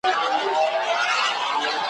د بوډۍ ټال به مي په سترګو کي وي ,